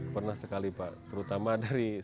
pernah sekali pak terutama dari